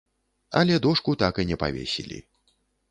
Але дошку так і не павесілі.